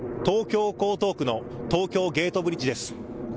東京・江東区の東京ゲートブリッジです。